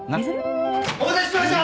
お待たせしました！